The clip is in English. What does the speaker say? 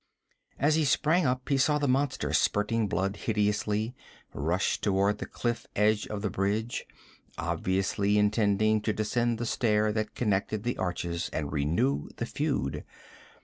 As he sprang up, he saw the monster, spurting blood hideously, rush toward the cliff end of the bridge, obviously intending to descend the stair that connected the arches and renew the feud.